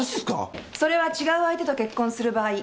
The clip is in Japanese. それは違う相手と結婚する場合。